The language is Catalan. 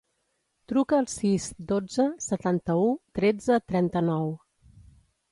Truca al sis, dotze, setanta-u, tretze, trenta-nou.